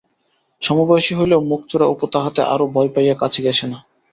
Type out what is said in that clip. সমবয়সি হইলেও মুখচোরা অপু তাহাতে আরও ভয় পাইয়া কাছে ঘেষে না।